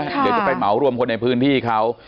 เดี๋ยวจะไปเหมารวมคนในพื้นที่เขา